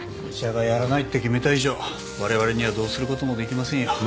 医者がやらないって決めた以上われわれにはどうすることもできませんよ。